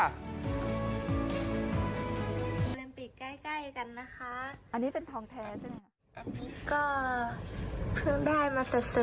อัลแรมปิกใกล้ใกล้กันนะคะอันนี้เป็นทองแท้ใช่ไหมอันนี้ก็